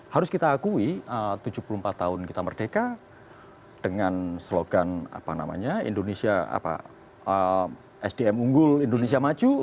harus kita akui tujuh puluh empat tahun kita merdeka dengan slogan indonesia sdm unggul indonesia maju